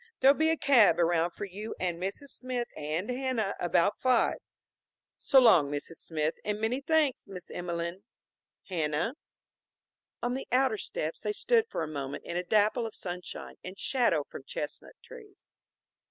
There'll be a cab around for you and Mrs. Smith and Hanna about five. So long, Mrs. Smith, and many thanks. Miss Emelene, Hanna." On the outer steps they stood for a moment in a dapple of sunshine and shadow from chestnut trees.